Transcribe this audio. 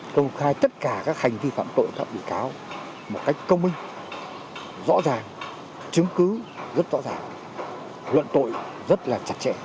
công khai tất cả các hành vi phạm tội các bị cáo một cách công minh rõ ràng chứng cứ rất rõ ràng luận tội rất là chặt chẽ